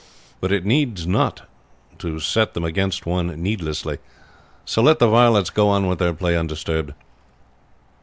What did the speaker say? But it needs not to set them against one needlessly; so let the varlets go on with their play undisturbed."